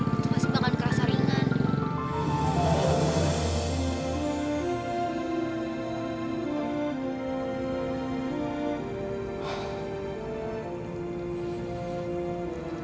itu masih bakal ngerasa ringan